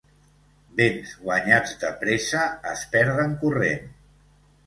Béns guanyats de pressa, es perden corrent.